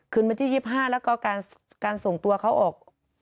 วันที่๒๕แล้วก็การส่งตัวเขาออก